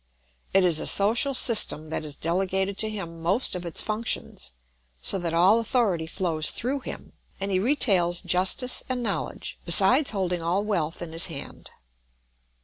It is a social system that has delegated to him most of its functions, so that all authority flows through him, and he retails justice and knowledge, besides holding all wealth in his hand.